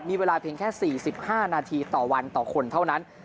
มีเวลาเพียงแค่๔๕นาทีต่อวันต่อคนเท่านั้น